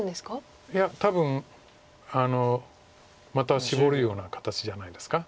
いや多分またシボるような形じゃないですか。